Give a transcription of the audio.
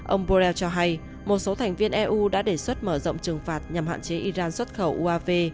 ông borrell cho hay một số thành viên eu đã đề xuất mở rộng trừng phạt nhằm hạn chế iran xuất khẩu uav